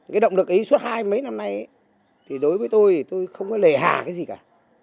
cái động lực ấy suốt hai mấy năm nay thì đối với tôi thì tôi không có lề hà cái gì cả